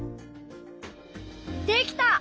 できた！